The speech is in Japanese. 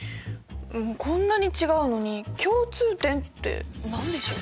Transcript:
こんなに違うのに共通点って何でしょう？